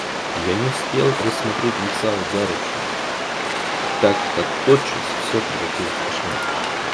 Я не успел рассмотреть лица ударившего, так как тотчас все превратилось в кошмар.